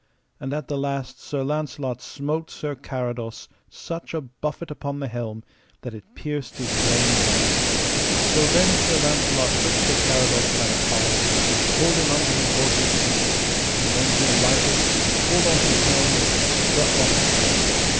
And at the last Sir Launcelot smote Sir Carados such a buffet upon the helm that it pierced his brain pan. So then Sir Launcelot took Sir Carados by the collar and pulled him under his horse's feet, and then he alighted and pulled off his helm and struck off his head.